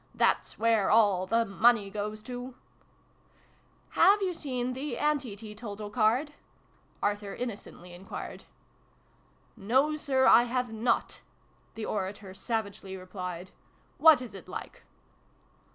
That's where all the money goes to !"" Have you seen the Anti Teetotal Card? r Arthur innocently enquired. " No, Sir, I have not !" the orator savagely replied. " What is it like